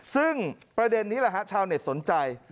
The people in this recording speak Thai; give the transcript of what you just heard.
ซึ่งประเด็นนี้แหละฮะชาวเน็ตสนใจ